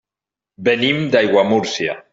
Venim d'Aiguamúrcia.